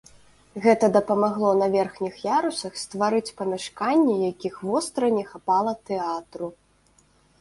Гэта дапамагло на верхніх ярусах стварыць памяшканні, якіх востра не хапала тэатру.